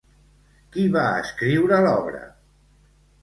Qui va escriure l'obra?